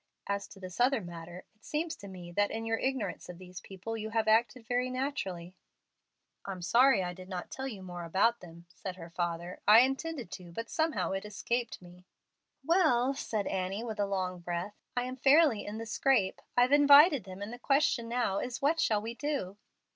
As to this other matter, it seems to me that in your ignorance of these people you have acted very naturally." "I'm sorry I did not tell you more about them," said her father. "I did intend to, but somehow it escaped me." "Well," said Annie, with a long breath, "I am fairly in the scrape. I've invited them, and the question now is, what shall we do?"